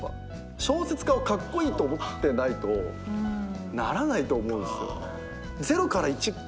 小説家をカッコイイと思ってないとならないと思うんすよね。